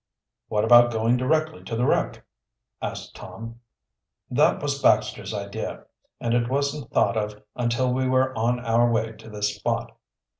"What about going directly to the wreck?" asked Tom. "That was Baxter's idea, and it wasn't thought of until we were on our way to this spot.